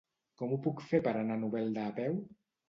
Com ho puc fer per anar a Novelda a peu?